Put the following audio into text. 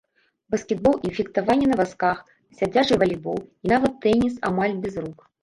Баскетбол і фехтаванне на вазках, сядзячы валейбол і нават тэніс амаль без рук.